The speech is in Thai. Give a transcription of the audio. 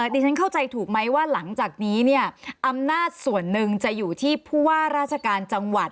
ดิฉันเข้าใจถูกไหมว่าหลังจากนี้เนี่ยอำนาจส่วนหนึ่งจะอยู่ที่ผู้ว่าราชการจังหวัด